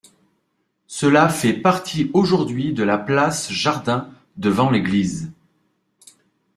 Cela fait partie aujourd'hui de la place-jardin devant l'église.